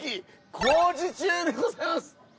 工事中でございます！